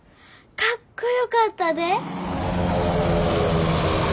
かっこよかったで。